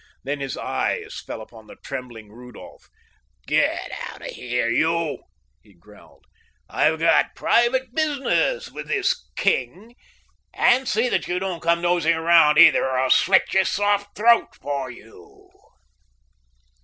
Then his eyes fell upon the trembling Rudolph. "Get out of here, you!" he growled. "I've got private business with this king. And see that you don't come nosing round either, or I'll slit that soft throat for you."